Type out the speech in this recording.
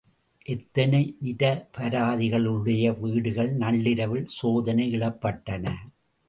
எத்தனை நிரபராதிகளுடைய வீடுகள் நள்ளிரவில் சோதனையிடப்பட்டன.